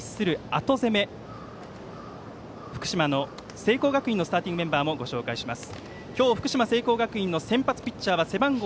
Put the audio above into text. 後攻め、福島の聖光学院のスターティングメンバーもご紹介します。